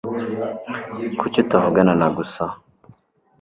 Kuki utavugana na gusa?